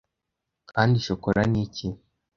Kandi shokora ni iki